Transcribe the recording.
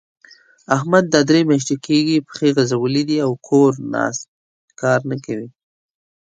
احمد دا درې مياشتې کېږي؛ پښې غځولې دي او کور ناست؛ کار نه کوي.